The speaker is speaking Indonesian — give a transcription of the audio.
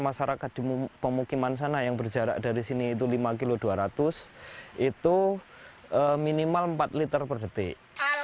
masyarakat di pemukiman sana yang berjarak dari sini itu lima kilo dua ratus itu minimal empat liter per detik